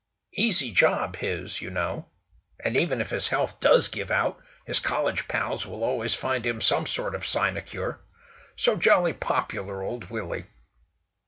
"Easy job, his, you know. And even if his health does give out, his college pals will always find him some sort of sinecure. So jolly popular, old Willie!"